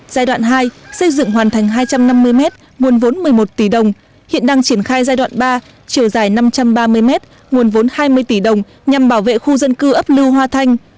giai đoạn hai xây dựng hoàn thành hai trăm năm mươi m nguồn vốn một mươi một tỷ đồng hiện đang triển khai giai đoạn ba chiều dài năm trăm ba mươi mét nguồn vốn hai mươi tỷ đồng nhằm bảo vệ khu dân cư ấp lưu hoa thanh